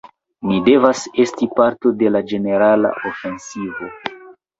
Ni devas esti parto de la ĝenerala ofensivo.